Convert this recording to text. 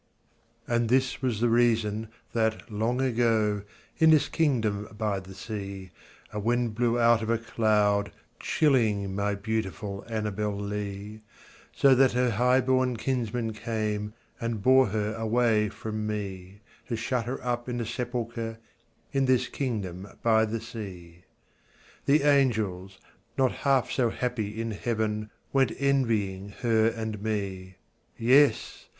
And this was the reason that, long ago, In this kingdom by the sea, A wind blew out of a cloud, chilling My beautiful Annabel Lee; So that her highborn kinsman came And bore her away from me, To shut her up in a sepulchre In this kingdom by the sea. The angels, not half so happy in heaven, Went envying her and me Yes!